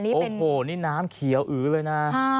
นี่น้ำเขียวอื้อเลยนะ